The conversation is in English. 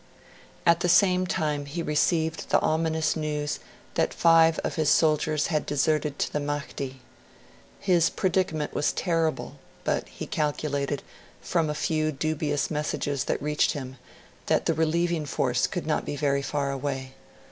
At the same time he received the ominous news that five of his soldiers had deserted to the Mahdi. His predicament was terrible; but he calculated, from a few dubious messages that had reached him, that the relieving force could not be very far away.